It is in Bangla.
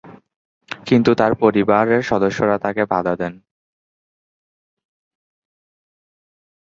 কিন্তু তার পরিবারের সদস্যরা তাকে বাধা দেন।